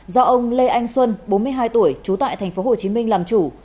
do ông lê anh xuân bốn mươi hai tuổi trú tại thành phố hồ chí minh làm chủ